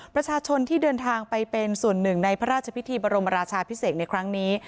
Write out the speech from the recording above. ประชาชนที่เดินทางไปเป็นส่วนหนึ่งในพระราชพิธีบรมราชาพิเศษในครั้งนี้